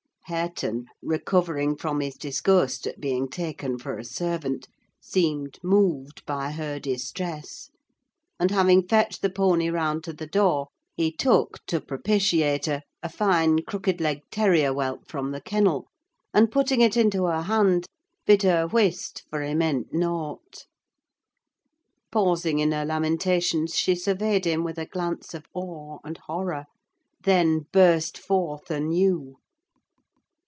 Hareton, recovering from his disgust at being taken for a servant, seemed moved by her distress; and, having fetched the pony round to the door, he took, to propitiate her, a fine crooked legged terrier whelp from the kennel, and putting it into her hand, bid her whist! for he meant nought. Pausing in her lamentations, she surveyed him with a glance of awe and horror, then burst forth anew.